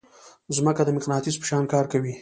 ځمکه د مقناطیس په شان کار کوي.